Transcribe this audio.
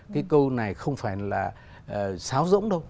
cái câu này không phải là sáo rỗng đâu